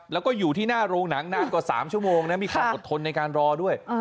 แล้วก็อยู่ที่หน้าโรงหนังนานกว่า๓ชั่วโมงนะมีความอดทนในการรอด้วย